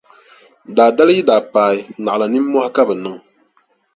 Daa dali yi daa paai naɣila nimmɔhi ka bɛ niŋ.